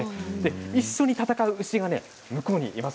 一緒に戦う牛が向こう側にいます。